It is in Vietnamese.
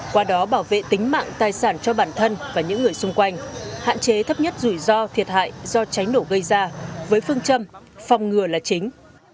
qua đó bảo vệ tính mạng tài sản cho bản thân và những người xung quanh hạn chế thấp nhất rủi ro thiệt hại do cháy nổ gây ra với phương châm phòng ngừa là chính